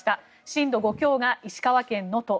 震度５強が石川県能登。